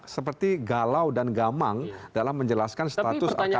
seperti galau dan gamang dalam menjelaskan status arkanera itu